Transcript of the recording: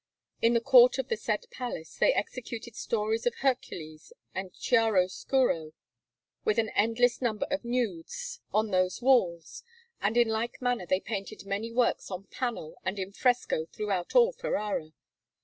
In the court of the said palace they executed stories of Hercules in chiaroscuro, with an endless number of nudes on those walls; and in like manner they painted many works on panel and in fresco throughout all Ferrara.